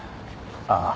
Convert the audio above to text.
ああ。